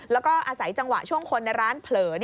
แล้วก็อาศัยจังหวะช่วงคนในร้านเผลอ